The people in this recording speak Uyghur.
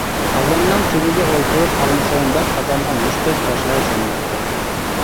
قازاننىڭ تېگىگە ئولتۇرۇپ قالمىسۇن دەپ، قازانغا مۇشتەك تاشلار سېلىناتتى.